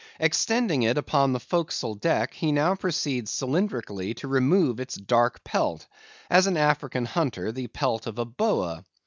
Extending it upon the forecastle deck, he now proceeds cylindrically to remove its dark pelt, as an African hunter the pelt of a boa.